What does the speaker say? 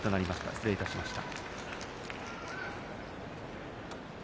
失礼しました。